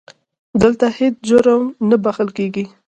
دلته هیڅ جرم نه بښل کېږي.